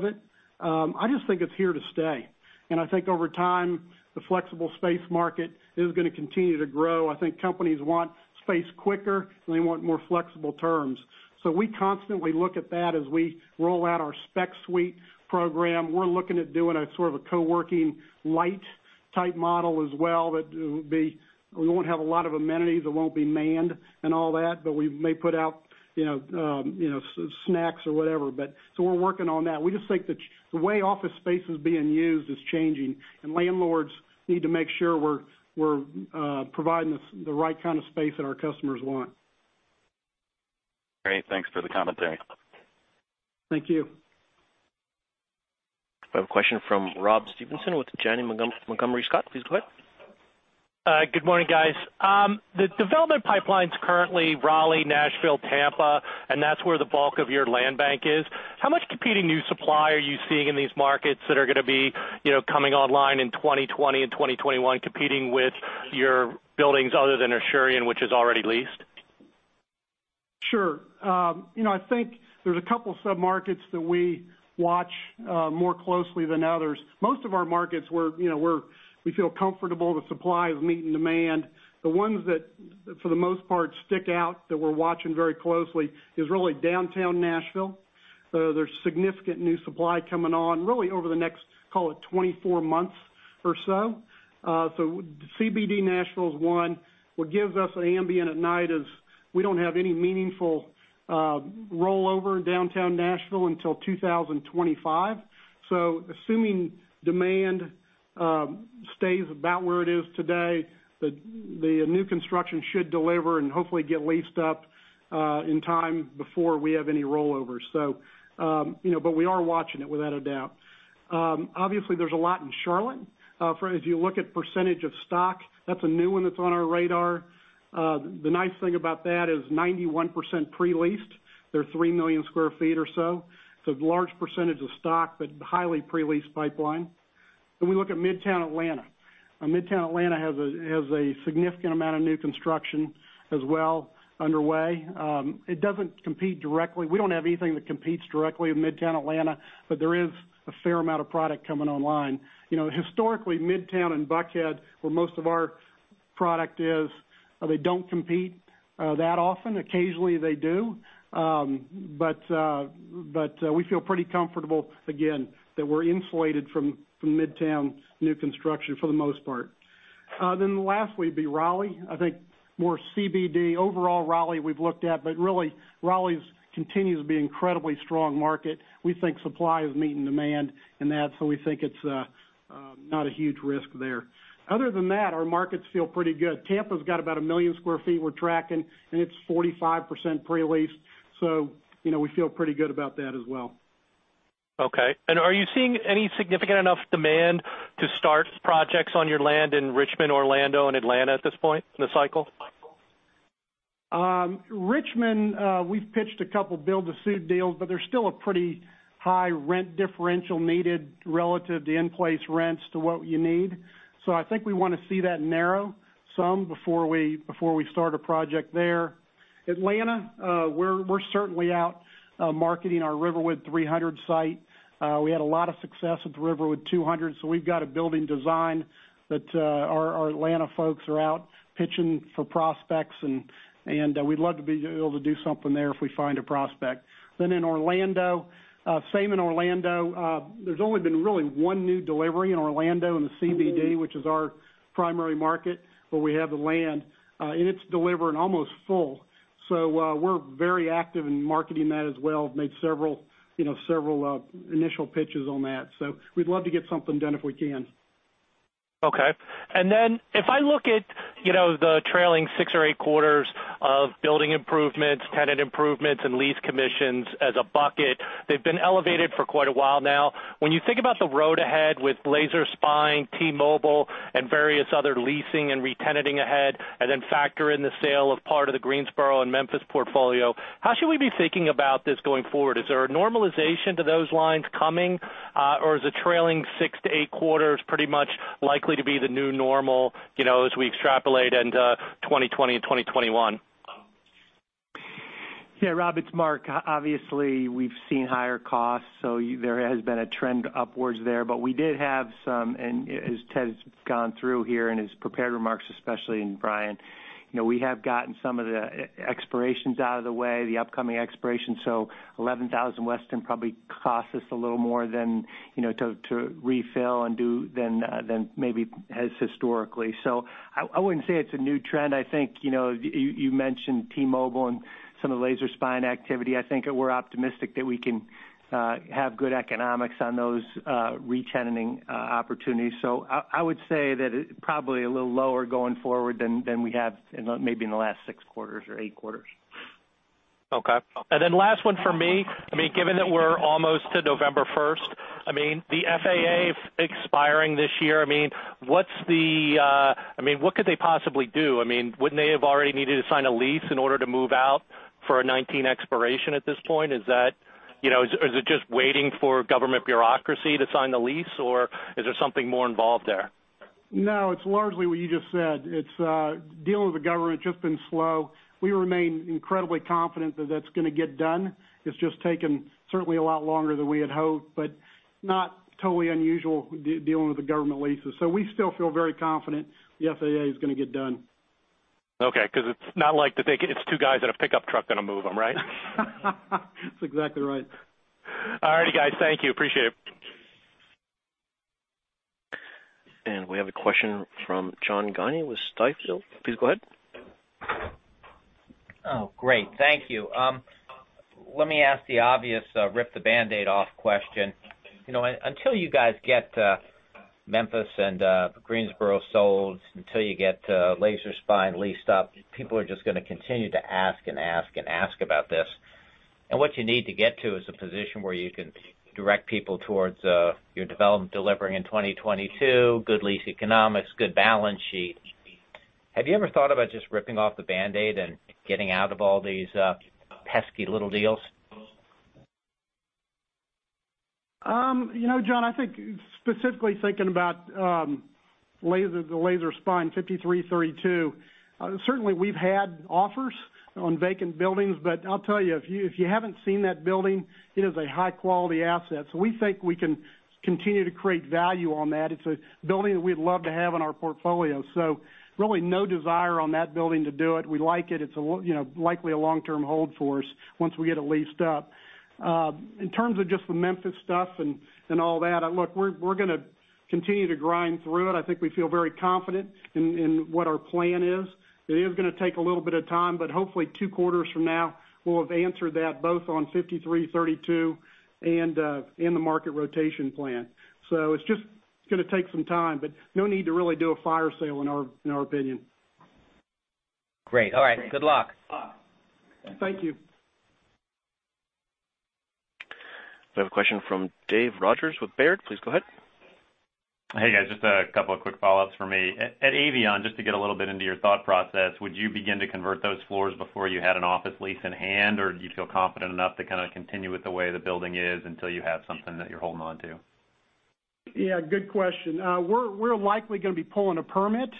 it. I just think it's here to stay. I think over time, the flexible space market is going to continue to grow. I think companies want space quicker, and they want more flexible terms. We constantly look at that as we roll out our spec suite program. We're looking at doing a sort of a co-working light-type model as well. We won't have a lot of amenities, it won't be manned and all that, but we may put out snacks or whatever. We're working on that. We just think the way office space is being used is changing, and landlords need to make sure we're providing the right kind of space that our customers want. Great. Thanks for the commentary. Thank you. We have a question from Rob Stevenson with Janney Montgomery Scott. Please go ahead. Good morning, guys. The development pipeline's currently Raleigh, Nashville, Tampa, and that's where the bulk of your land bank is. How much competing new supply are you seeing in these markets that are going to be coming online in 2020 and 2021, competing with your buildings other than Asurion, which is already leased? Sure. I think there's a couple submarkets that we watch more closely than others. Most of our markets where we feel comfortable the supply is meeting demand. The ones that, for the most part, stick out that we're watching very closely is really downtown Nashville. There's significant new supply coming on, really over the next, call it 24 months or so. CBD Nashville is one. What gives us comfort at night is we don't have any meaningful rollover in downtown Nashville until 2025. Assuming demand stays about where it is today, the new construction should deliver and hopefully get leased up in time before we have any rollovers. We are watching it, without a doubt. Obviously, there's a lot in Charlotte. If you look at % of stock, that's a new one that's on our radar. The nice thing about that is 91% pre-leased. They're 3 million sq ft or so. Large percentage of stock, but highly pre-leased pipeline. We look at Midtown Atlanta. Midtown Atlanta has a significant amount of new construction as well underway. It doesn't compete directly. We don't have anything that competes directly with Midtown Atlanta, but there is a fair amount of product coming online. Historically, Midtown and Buckhead, where most of our product is, they don't compete that often. Occasionally they do. We feel pretty comfortable, again, that we're insulated from Midtown's new construction for the most part. The last would be Raleigh. I think more CBD. Overall, Raleigh, we've looked at, but really, Raleigh continues to be incredibly strong market. We think supply is meeting demand, and that's why we think it's not a huge risk there. Other than that, our markets feel pretty good. Tampa's got about a million sq ft we're tracking, and it's 45% pre-leased, so we feel pretty good about that as well. Okay. Are you seeing any significant enough demand to start projects on your land in Richmond, Orlando, and Atlanta at this point in the cycle? Richmond, we've pitched a couple build-to-suit deals, but there's still a pretty high rent differential needed relative to in-place rents to what you need. I think we want to see that narrow some before we start a project there. Atlanta, we're certainly out marketing our Riverwood 300 site. We had a lot of success with Riverwood 200, so we've got a building design that our Atlanta folks are out pitching for prospects, and we'd love to be able to do something there if we find a prospect. In Orlando, same in Orlando. There's only been really one new delivery in Orlando, in the CBD, which is our primary market, where we have the land, and it's delivering almost full. We're very active in marketing that as well, made several initial pitches on that. We'd love to get something done if we can. Okay. If I look at the trailing six or eight quarters of building improvements, Tenant Improvements, and lease commissions as a bucket, they've been elevated for quite a while now. When you think about the road ahead with Laser Spine, T-Mobile, and various other leasing and re-tenanting ahead, and then factor in the sale of part of the Greensboro and Memphis portfolio, how should we be thinking about this going forward? Is there a normalization to those lines coming? Is the trailing six to eight quarters pretty much likely to be the new normal, as we extrapolate into 2020 and 2021? Yeah, Rob, it's Mark. Obviously, we've seen higher costs. There has been a trend upwards there. We did have some, and as Ted's gone through here in his prepared remarks, especially, and Brian, we have gotten some of the expirations out of the way, the upcoming expirations. 11000 Weston probably cost us a little more to refill than maybe has historically. I wouldn't say it's a new trend. I think, you mentioned T-Mobile and some of the Laser Spine activity. I think that we're optimistic that we can have good economics on those re-tenanting opportunities. I would say that it probably a little lower going forward than we have maybe in the last six quarters or eight quarters. Okay. Last one from me. Given that we're almost to November 1st, the FAA expiring this year, what could they possibly do? Wouldn't they have already needed to sign a lease in order to move out for a 2019 expiration at this point? Is it just waiting for government bureaucracy to sign the lease, or is there something more involved there? No, it's largely what you just said. It's dealing with the government, just been slow. We remain incredibly confident that that's going to get done. It's just taken certainly a lot longer than we had hoped, but not totally unusual dealing with the government leases. We still feel very confident the FAA is going to get done. Okay. It's not like it's two guys and a pickup truck going to move them, right? That's exactly right. All righty, guys. Thank you. Appreciate it. We have a question from John Guinee with Stifel. Please go ahead. Oh, great. Thank you. Let me ask the obvious, rip-the-Band-Aid-off question. Until you guys get Memphis and Greensboro sold, until you get Laser Spine leased up, people are just going to continue to ask and ask and ask about this. What you need to get to is a position where you can direct people towards your development delivering in 2022, good lease economics, good balance sheet. Have you ever thought about just ripping off the Band-Aid and getting out of all these pesky little deals? John, specifically thinking about the Laser Spine 5332, certainly we've had offers on vacant buildings. I'll tell you, if you haven't seen that building, it is a high-quality asset. We think we can continue to create value on that. It's a building that we'd love to have in our portfolio. Really no desire on that building to do it. We like it. It's likely a long-term hold for us once we get it leased up. In terms of just the Memphis stuff and all that, look, we're going to continue to grind through it. I think we feel very confident in what our plan is. It is going to take a little bit of time, but hopefully two quarters from now, we'll have answered that both on 5332 and the market rotation plan. It's just going to take some time, but no need to really do a fire sale, in our opinion. Great. All right. Good luck. Thank you. We have a question from Dave Rogers with Baird. Please go ahead. Hey, guys. Just a couple of quick follow-ups for me. At Avion, just to get a little bit into your thought process, would you begin to convert those floors before you had an office lease in hand, or do you feel confident enough to kind of continue with the way the building is until you have something that you're holding on to? Yeah, good question. We're likely going to be pulling a permit,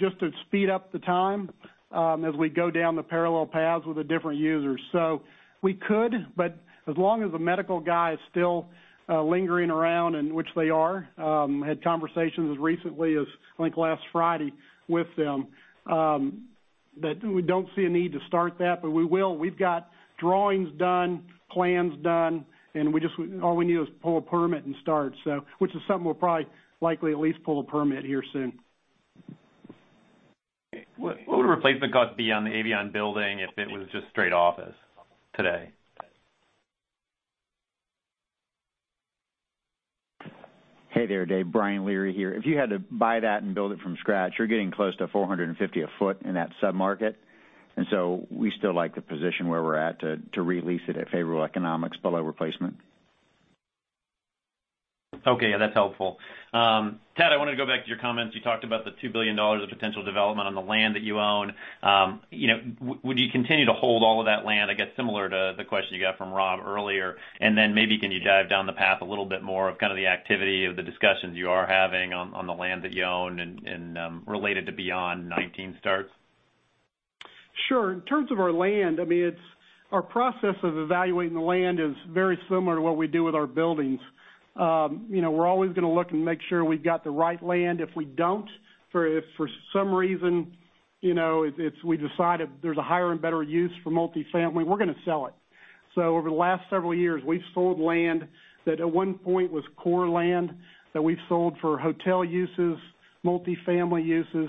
just to speed up the time as we go down the parallel paths with the different users. We could, but as long as the medical guy is still lingering around, and which they are. We had conversations as recently as, I think, last Friday with them, that we don't see a need to start that, but we will. We've got drawings done, plans done, and all we need is to pull a permit and start. Which is something we'll probably likely at least pull a permit here soon. What would the replacement cost be on the Avion building if it was just straight office today? Hey there, Dave. Brian Leary here. If you had to buy that and build it from scratch, you're getting close to $450 a foot in that sub-market. We still like the position where we're at to re-lease it at favorable economics below replacement. Okay. Yeah, that's helpful. Ted, I want to go back to your comments. You talked about the $2 billion of potential development on the land that you own. Would you continue to hold all of that land? I guess similar to the question you got from Rob earlier. Then maybe, can you dive down the path a little bit more of kind of the activity of the discussions you are having on the land that you own and related to beyond 2019 starts? Sure. In terms of our land, our process of evaluating the land is very similar to what we do with our buildings. We're always going to look and make sure we've got the right land. If we don't, if for some reason, we decide there's a higher and better use for multi-family, we're going to sell it. Over the last several years, we've sold land that at one point was core land, that we've sold for hotel uses, multi-family uses.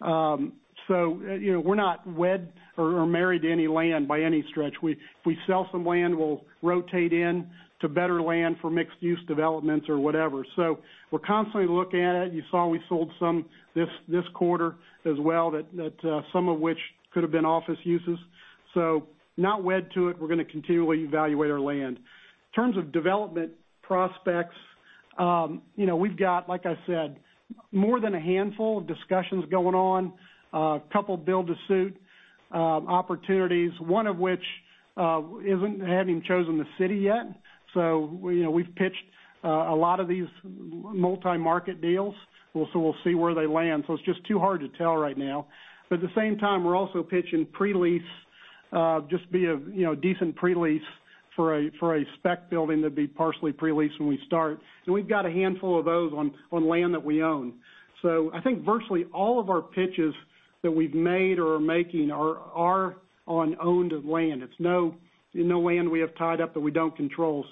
We're not wed or married to any land by any stretch. We sell some land, we'll rotate in to better land for mixed use developments or whatever. We're constantly looking at it. You saw we sold some this quarter as well, that some of which could've been office uses. Not wed to it. We're going to continually evaluate our land. In terms of development prospects, we've got, like I said, more than a handful of discussions going on, a couple build-to-suit opportunities, one of which hasn't chosen the city yet. We've pitched a lot of these multi-market deals. We'll see where they land. It's just too hard to tell right now. At the same time, we're also pitching pre-lease, just be a decent pre-lease for a spec building that'd be partially pre-leased when we start. We've got a handful of those on land that we own. I think virtually all of our pitches that we've made or are making are on owned land. It's no land we have tied up that we don't control.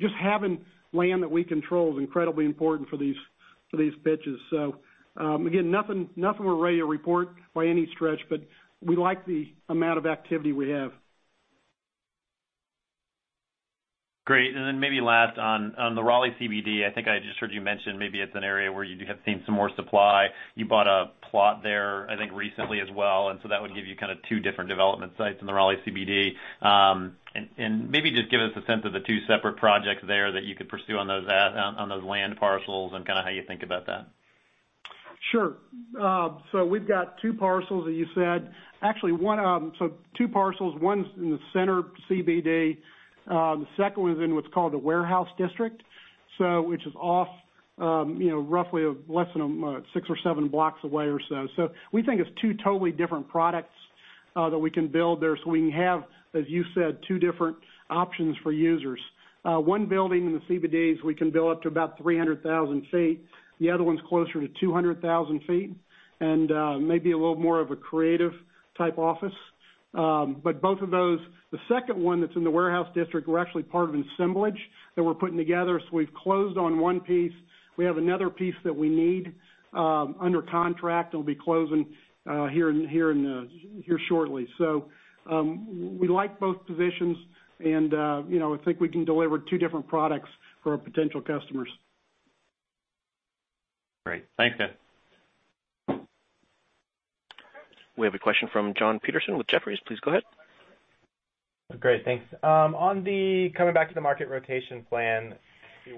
Just having land that we control is incredibly important for these pitches. Again, nothing we're ready to report by any stretch, but we like the amount of activity we have. Great. Maybe last on the Raleigh CBD, I think I just heard you mention maybe it's an area where you have seen some more supply. You bought a plot there, I think, recently as well, that would give you kind of two different development sites in the Raleigh CBD. Maybe just give us a sense of the two separate projects there that you could pursue on those land parcels and kind of how you think about that. Sure. We've got two parcels, as you said. Two parcels. One is in the center of CBD. The second one is in what's called a warehouse district, which is off roughly less than six or seven blocks away or so. We think it's two totally different products that we can build there. We have, as you said, two different options for users. One building in the CBDs, we can build up to about 300,000 feet. The other one's closer to 200,000 feet and maybe a little more of a creative-type office. Both of those, the second one that's in the warehouse district, we're actually part of an assemblage that we're putting together. We've closed on one piece. We have another piece that we need under contract that'll be closing here shortly. We like both positions and I think we can deliver two different products for our potential customers. Great. Thanks, Ted. We have a question from Jon Petersen with Jefferies. Please go ahead. Great. Thanks. Coming back to the market rotation plan,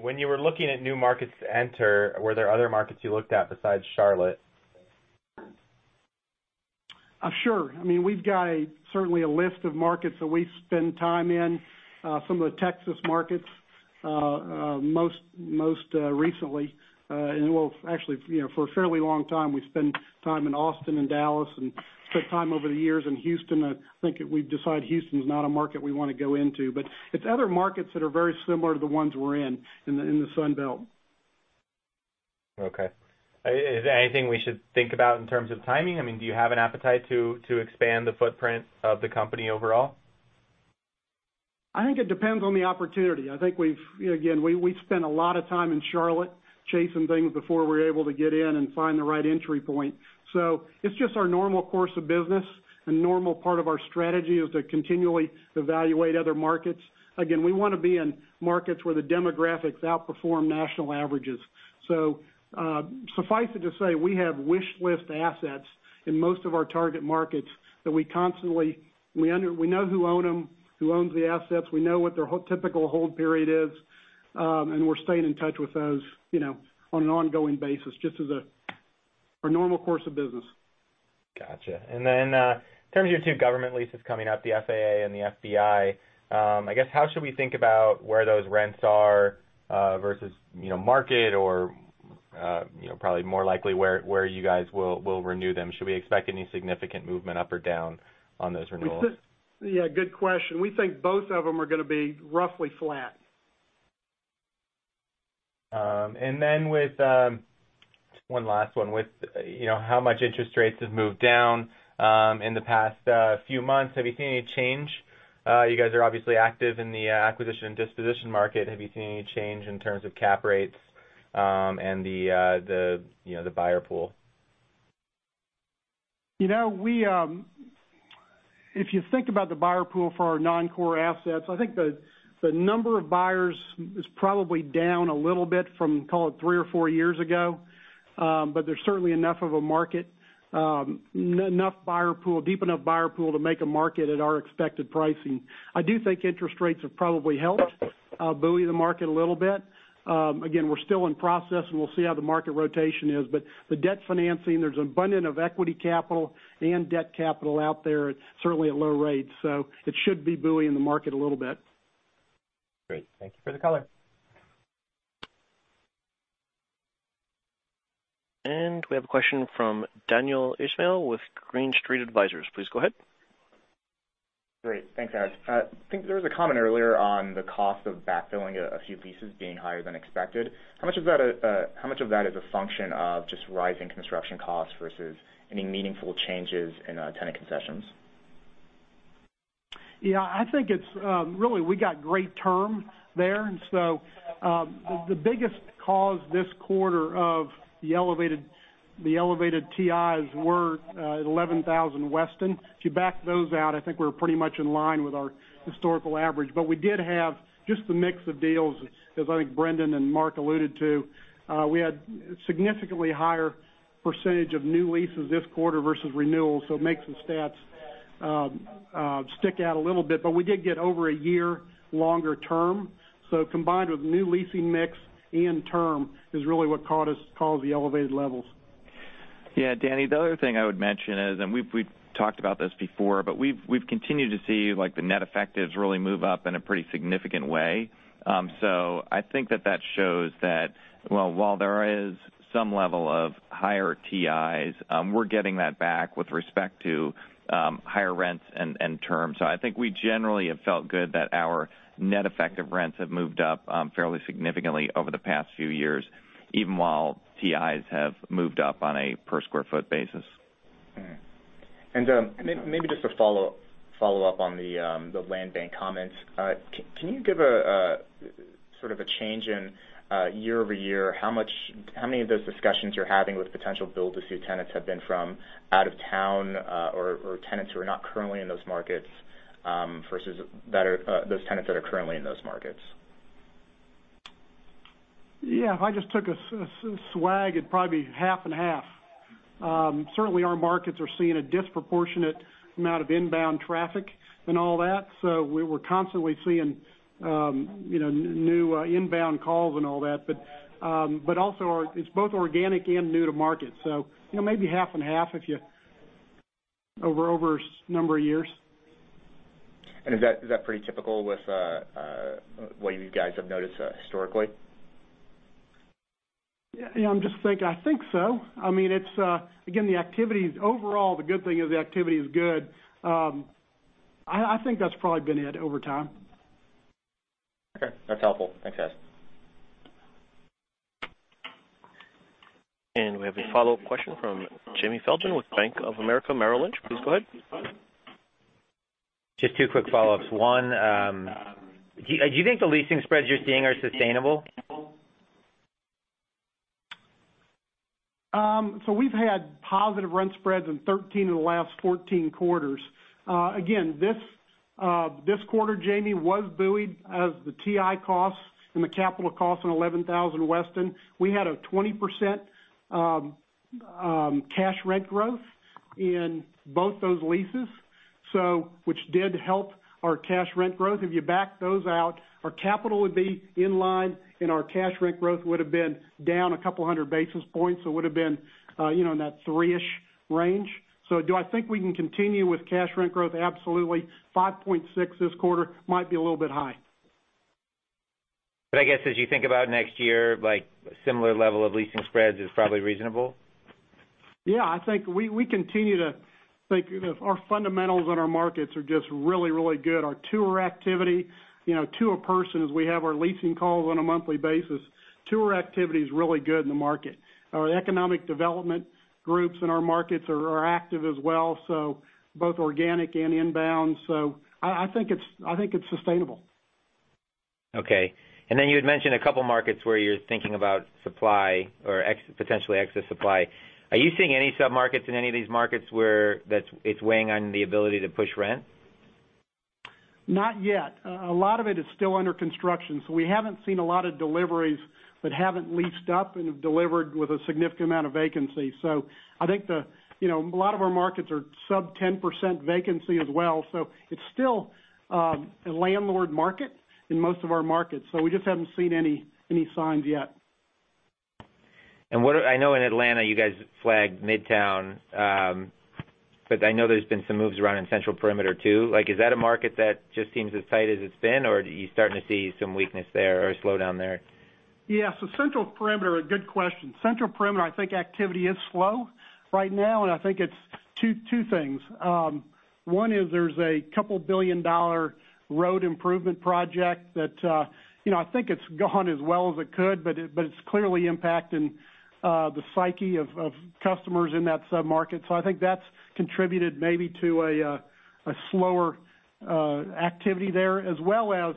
when you were looking at new markets to enter, were there other markets you looked at besides Charlotte? Sure. We've got certainly a list of markets that we spend time in, some of the Texas markets, most recently. Well, actually, for a fairly long time, we've spent time in Austin and Dallas and spent time over the years in Houston. I think we've decided Houston's not a market we want to go into. It's other markets that are very similar to the ones we're in the Sun Belt. Okay. Is there anything we should think about in terms of timing? Do you have an appetite to expand the footprint of the company overall? I think it depends on the opportunity. Again, we've spent a lot of time in Charlotte chasing things before we were able to get in and find the right entry point. It's just our normal course of business. A normal part of our strategy is to continually evaluate other markets. Again, we want to be in markets where the demographics outperform national averages. Suffice it to say, we have wish list assets in most of our target markets that we know who own them, who owns the assets, we know what their typical hold period is, and we're staying in touch with those, on an ongoing basis, just as our normal course of business. Got you. In terms of your two government leases coming up, the FAA and the FBI, I guess, how should we think about where those rents are, versus market or, probably more likely where you guys will renew them. Should we expect any significant movement up or down on those renewals? Yeah, good question. We think both of them are going to be roughly flat. One last one. With how much interest rates have moved down in the past few months, have you seen any change? You guys are obviously active in the acquisition and disposition market. Have you seen any change in terms of cap rates, and the buyer pool? If you think about the buyer pool for our non-core assets, I think the number of buyers is probably down a little bit from, call it three or four years ago. There's certainly enough of a market, deep enough buyer pool to make a market at our expected pricing. I do think interest rates have probably helped buoy the market a little bit. We're still in process, and we'll see how the market rotation is. The debt financing, there's abundance of equity capital and debt capital out there certainly at low rates. It should be buoying the market a little bit. Great. Thank you for the color. We have a question from Daniel Ismail with Green Street Advisors. Please go ahead. Great. Thanks, Ted. I think there was a comment earlier on the cost of backfilling a few leases being higher than expected. How much of that is a function of just rising construction costs versus any meaningful changes in tenant concessions? Yeah, I think it's really, we got great terms there. The biggest cause this quarter of the elevated TIs were at 11000 Weston. If you back those out, I think we're pretty much in line with our historical average. We did have just the mix of deals, as I think Brendan and Mark alluded to. We had significantly higher % of new leases this quarter versus renewals, so it makes the stats stick out a little bit. We did get over a year longer term. Combined with new leasing mix and term is really what caused the elevated levels. Yeah, Daniel, the other thing I would mention is, and we've talked about this before, but we've continued to see the net effectives really move up in a pretty significant way. I think that shows that while there is some level of higher TIs, we're getting that back with respect to higher rents and terms. I think we generally have felt good that our net effective rents have moved up fairly significantly over the past few years, even while TIs have moved up on a per square foot basis. Maybe just a follow-up on the land bank comments. Can you give a sort of a change in year-over-year, how many of those discussions you're having with potential build-to-suit tenants have been from out of town, or tenants who are not currently in those markets, versus those tenants that are currently in those markets? Yeah. If I just took a swag, it'd probably be half and half. Certainly, our markets are seeing a disproportionate amount of inbound traffic and all that. We're constantly seeing new inbound calls and all that. Also, it's both organic and new to market. Maybe half and half over a number of years. Is that pretty typical with what you guys have noticed historically? Yeah, I'm just thinking. I think so. The activity overall, the good thing is the activity is good. I think that's probably been it over time. Okay. That's helpful. Thanks, guys. We have a follow-up question from Jamie Feldman with Bank of America Merrill Lynch. Please go ahead. Just two quick follow-ups. One, do you think the leasing spreads you're seeing are sustainable? We've had positive rent spreads in 13 of the last 14 quarters. Again, this quarter, Jamie, was buoyed as the TI costs and the capital costs on 11000 Weston. We had a 20% cash rent growth in both those leases, which did help our cash rent growth. If you back those out, our capital would be in line, and our cash rent growth would've been down a couple of hundred basis points. It would've been in that three-ish range. Do I think we can continue with cash rent growth? Absolutely. 5.6% this quarter might be a little bit high. I guess as you think about next year, like, similar level of leasing spreads is probably reasonable? I think we continue to think our fundamentals in our markets are just really, really good. Our tour activity, tour persons, we have our leasing calls on a monthly basis. Tour activity is really good in the market. Our economic development groups in our markets are active as well, both organic and inbound. I think it's sustainable. Okay. You had mentioned a couple of markets where you're thinking about supply or potentially excess supply. Are you seeing any sub-markets in any of these markets where it's weighing on the ability to push rent? Not yet. A lot of it is still under construction, so we haven't seen a lot of deliveries that haven't leased up and have delivered with a significant amount of vacancy. I think a lot of our markets are sub 10% vacancy as well. It's still a landlord market in most of our markets. We just haven't seen any signs yet. I know in Atlanta, you guys flagged Midtown. I know there's been some moves around in Central Perimeter, too. Is that a market that just seems as tight as it's been, or are you starting to see some weakness there or a slowdown there? Yeah. Central Perimeter, a good question. Central Perimeter, I think activity is slow right now. I think it's two things. One is there's a couple billion-dollar road improvement project that I think it's gone as well as it could. It's clearly impacting the psyche of customers in that sub-market. I think that's contributed maybe to a slower activity there, as well as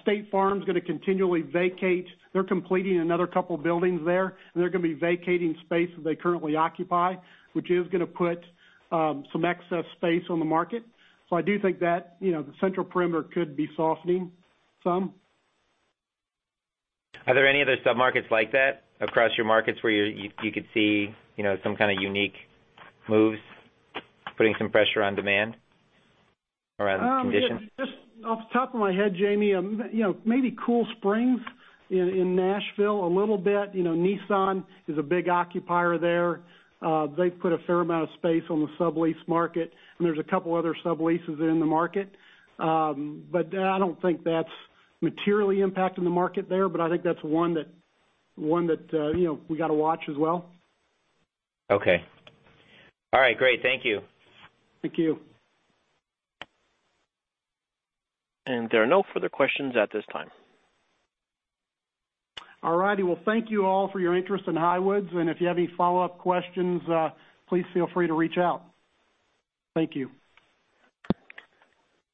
State Farm's going to continually vacate. They're completing another couple of buildings there. They're going to be vacating space that they currently occupy, which is going to put some excess space on the market. I do think that the Central Perimeter could be softening some. Are there any other sub-markets like that across your markets where you could see some kind of unique moves putting some pressure on demand or on conditions? Just off the top of my head, Jamie, maybe Cool Springs in Nashville a little bit. Nissan is a big occupier there. They've put a fair amount of space on the sublease market, and there's a couple of other subleases in the market. I don't think that's materially impacting the market there. I think that's one that we got to watch as well. Okay. All right, great. Thank you. Thank you. There are no further questions at this time. All right. Well, thank you all for your interest in Highwoods, and if you have any follow-up questions, please feel free to reach out. Thank you.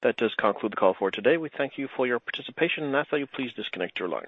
That does conclude the call for today. We thank you for your participation. That's all, you please disconnect your line.